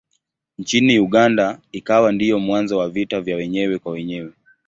Nchini Uganda ikawa ndiyo mwanzo wa vita vya wenyewe kwa wenyewe.